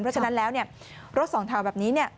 เพราะฉะนั้นรถสองแถวแบบนี้